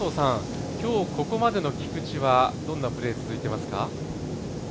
今日、ここまでの菊地は、どんなプレー、続いていますか。